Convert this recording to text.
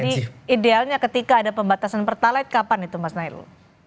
jadi idealnya ketika ada pembatasan pertalat kapan itu mas nelul